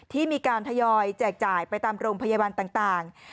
ที่มีการทยอยแจกจ่ายไปตามโรงพยาบาลต่าง